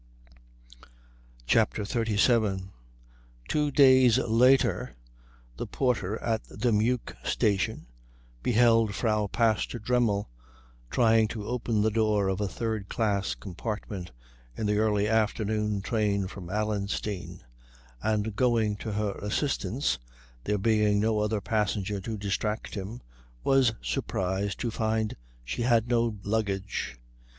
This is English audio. CHAPTER XXXVII Two days later the porter at the Meuk station beheld Frau Pastor Dremmel trying to open the door of a third class compartment in the early afternoon train from Allenstein, and going to her assistance, there being no other passenger to distract him, was surprised to find she had no luggage.